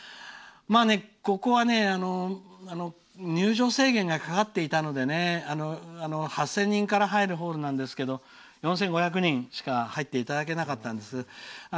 ここは、入場制限がかかっていたので８０００人入るホールなんですが４５００人しか入っていただけなかったんです。